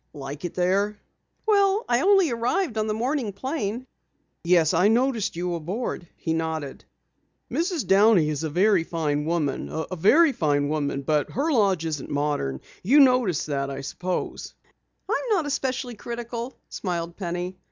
"Like it there?" "Well, I only arrived on the morning plane." "Yes, I noticed you aboard," he nodded. "Mrs. Downey is a very fine woman, a very fine woman, but her lodge isn't modern. You noticed that, I suppose?" "I'm not especially critical," smiled Penny.